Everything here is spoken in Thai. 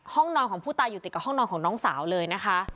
ห้องนอนของผู้ตายอยู่ติดกับห้องนอนของน้องสาวเลยนะคะ